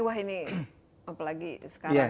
wah ini apa lagi sekarang ya